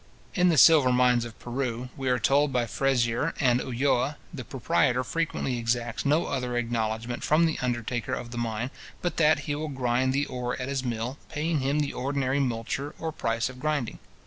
In the silver mines of Peru, we are told by Frezier and Ulloa, the proprietor frequently exacts no other acknowledgment from the undertaker of the mine, but that he will grind the ore at his mill, paying him the ordinary multure or price of grinding.